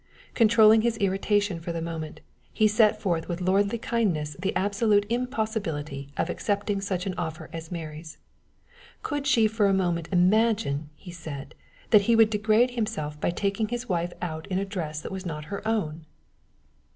Controlling his irritation for the moment, he set forth with lordly kindness the absolute impossibility of accepting such an offer as Mary's. Could she for a moment imagine, he said, that he would degrade himself by taking his wife out in a dress that was not her own?